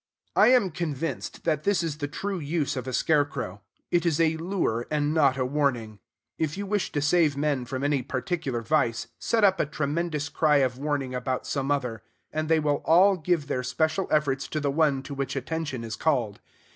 I am convinced that this is the true use of a scarecrow: it is a lure, and not a warning. If you wish to save men from any particular vice, set up a tremendous cry of warning about some other; and they will all give their special efforts to the one to which attention is called.